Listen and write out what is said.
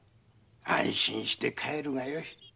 安心して帰るがよい。